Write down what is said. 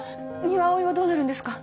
三輪碧はどうなるんですか？